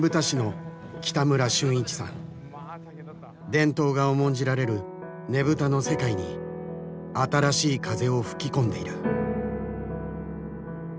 伝統が重んじられるねぶたの世界に新しい風を吹き込んでいる。